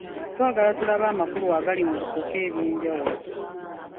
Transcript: Twagala tulabe amakulu agali mu bisoko eby’enjawulo.